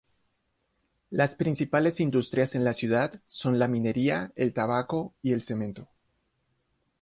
Las principales industrias en la ciudad son la minería, el tabaco y el cemento.